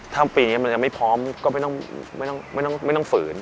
ถ้าปีนี้มันยังไม่พร้อมก็ไม่ต้องฝืน